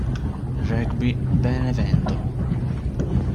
Rugby Benevento.